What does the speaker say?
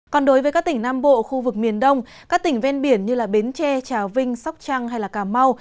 còn đối với các tỉnh nam bộ khu vực miền đông các tỉnh ven biển như bến tre trào vinh sóc trăng hay cà mau